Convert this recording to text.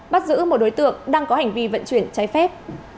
bắt giữ một đối tượng đang có hành vi vận chuyển trái phép